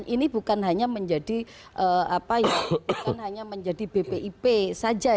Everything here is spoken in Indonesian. ini bukan hanya menjadi bpip saja